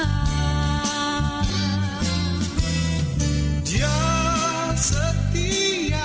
dia setia curahkan berkatnya